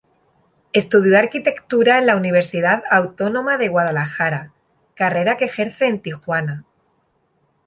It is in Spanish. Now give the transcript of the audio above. Estudió arquitectura en la Universidad Autónoma de Guadalajara, carrera que ejerce en Tijuana.